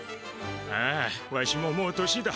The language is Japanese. ああわしももう年だ。